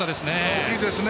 大きいですね。